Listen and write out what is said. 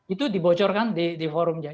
itu dibocorkan di forumnya